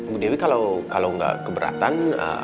bu dewi kalau nggak keberatan